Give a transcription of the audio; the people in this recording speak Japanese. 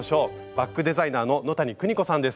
バッグデザイナーの野谷久仁子さんです。